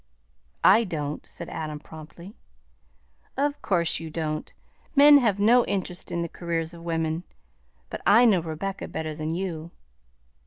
"I don't," said Adam promptly. "Of course you don't. Men have no interest in the careers of women! But I know Rebecca better than you."